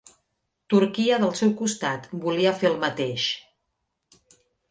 Turquia del seu costat volia fer el mateix.